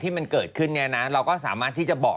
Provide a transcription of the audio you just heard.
ที่มันเกิดขึ้นเราก็สามารถที่จะบอก